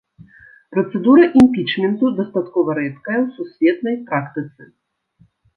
Працэдура імпічменту дастаткова рэдкая ў сусветнай практыцы.